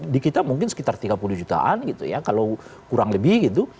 di kita mungkin sekitar tiga puluh jutaan gitu ya kalau kurang lebih gitu